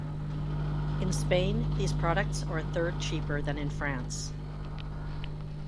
In Spain, these products are a third cheaper than in France.